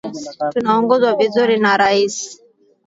Tunaongozwa vizuri na rais.